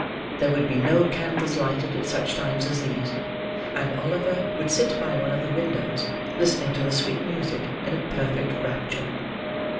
There would be no candles lighted at such times as these; and Oliver would sit by one of the windows, listening to the sweet music, in a perfect rapture.